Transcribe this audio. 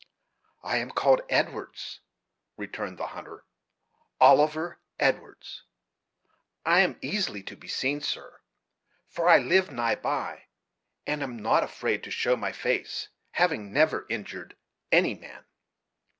"I am called Edwards," returned the hunter; "Oliver Edwards, I am easily to be seen, sir, for I live nigh by, and am not afraid to show my face, having never injured any man."